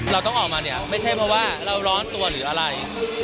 เราต้องออกมาเนี่ยไม่ใช่เพราะว่าเราร้อนตัวหรืออะไร